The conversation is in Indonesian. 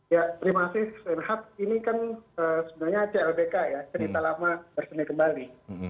ya terima kasih renhat ini kan sebenarnya clbk ya cerita lama berseni kembali